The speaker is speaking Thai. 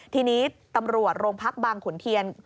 ทีนี้ตำรวจโรงพักบางขุนเทียน